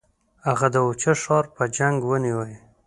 هغه د اوچه ښار په جنګ ونیوی.